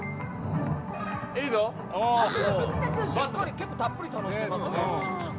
結構たっぷり楽しめますね。